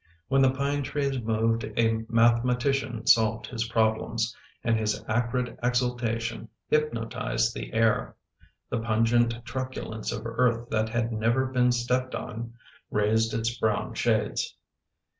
When the pine trees moved a mathematician solved his problems, and his acrid exultation hypnotized the air. The pungent truculence of earth that had never been stepped on raised its brown shades.